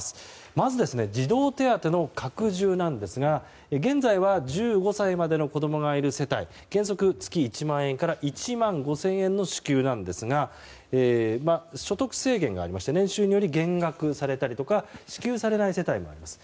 まず、児童手当の拡充ですが現在は１５歳までの子供がいる世帯に原則月１万から１万５０００円の支給なんですが所得制限がありまして年収により減額されたりとか支給されない世帯もあります。